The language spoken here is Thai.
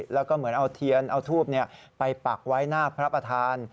แล้วก็เหมือนเอาเทียนเอาทูบไปปักไว้หน้าพระประธาน